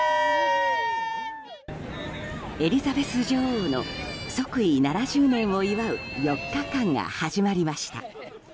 エリザベス女王の即位７０年を祝う４日間が始まりました。